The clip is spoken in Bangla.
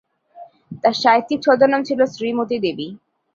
তার সাহিত্যিক ছদ্মনাম ছিল "শ্রীমতী দেবী"।